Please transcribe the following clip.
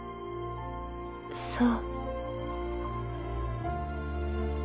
そう。